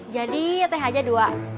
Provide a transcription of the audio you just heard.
jadi teh aja dua